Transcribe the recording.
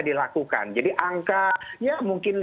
dilakukan jadi angka ya mungkin